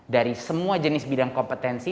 dari semua jenis bidang kompetensi